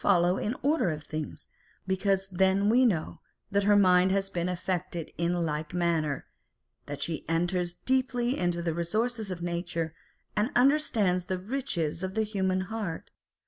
471 follow in the order of things, because we then know that her mind has been affected in like manner, that she enters deeply into the resources of nature, and understands the riches of the human heart.